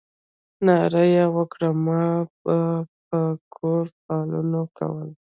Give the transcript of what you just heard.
ناره یې وکړه ما به په کور فالونه کول.